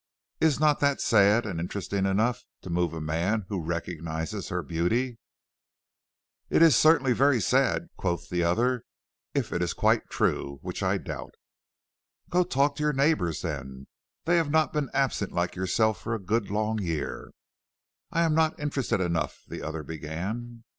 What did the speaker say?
Is not that sad and interesting enough to move a man who recognizes her beauty?" "It is certainly very sad," quoth the other, "if it is quite true, which I doubt." "Go talk to your neighbors then; they have not been absent like yourself for a good long year." "I am not interested enough," the other began.